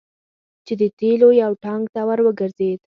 چې د تیلو یو ټانګ ته ور وګرځید.